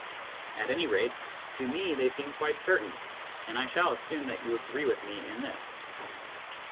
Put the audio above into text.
At any rate, to me they seem quite certain, and I shall assume that you agree with me in this.